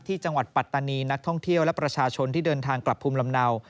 ที่จังหวัดปัตตานีนักท่องเที่ยวและประชาชนที่เดินทางกลับพุมลำเนา